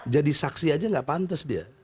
jadi saksi aja gak pantas dia